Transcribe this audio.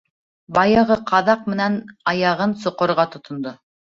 Баяғы ҡаҙаҡ менән аяғын соҡорға тотондо.